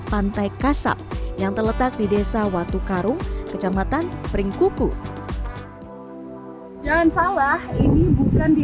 pantai kasab yang terletak di desa watukarung kecamatan pringkuku jangan salah ini bukan di